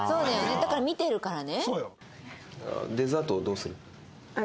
だから見てるからね。